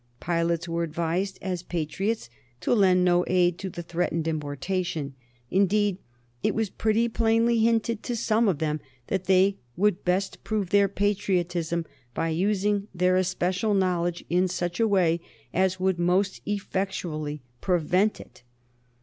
Pilots were advised as patriots to lend no aid to the threatened importation; indeed, it was pretty plainly hinted to some of them that they would best prove their patriotism by using their especial knowledge in such a way as would most effectually prevent it.